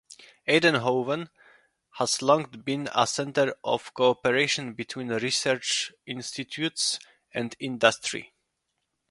Eindhoven has long been a centre of cooperation between research institutes and industry.